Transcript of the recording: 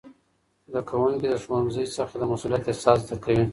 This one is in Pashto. زدهکوونکي د ښوونځي څخه د مسئولیت احساس زده کوي.